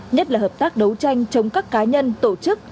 nhất là hợp tác đấu tranh chống các cá nhân tổ chức